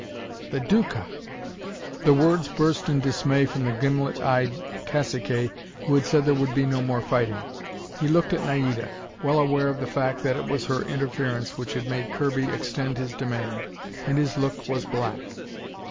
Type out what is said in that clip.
"The Duca!" The words burst in dismay from the gimlet eyed cacique who had said there would be no more fighting. He looked at Naida, well aware of the fact that it was her interference which had made Kirby extend his demand. And his look was black.